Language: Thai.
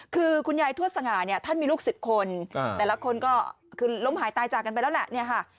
คือคุณยายทวดสง่าท่านมีลูก๑๐คนแต่ละคนก็ล้มหายตายจากกันไปแล้วแหละ